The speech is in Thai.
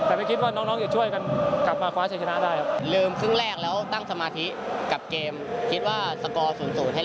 แต่ไม่คิดว่าน้องน้องจะช่วยกันกลับมาขวาใช้ชนะได้ครับ